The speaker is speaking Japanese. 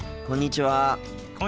こんにちは。